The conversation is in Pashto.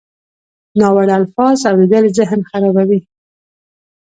ناوړه الفاظ اورېدل ذهن خرابوي.